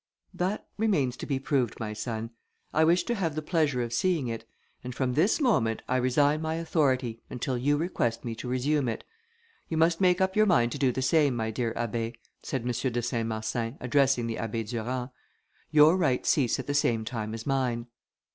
"That remains to be proved, my son. I wish to have the pleasure of seeing it; and from this moment, I resign my authority, until you request me to resume it. You must make up your mind to do the same, my dear Abbé," said M. de Saint Marsin, addressing the Abbé Durand. "Your rights cease at the same time as mine."